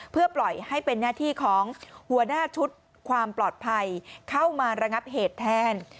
เพื่อปล่อยให้เป็นหน้าที่ของหัวหน้าชุดความปลอดภัยเข้ามาระงับเหตุแทน